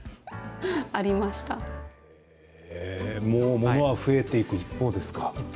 ものは増えていく一方ですか？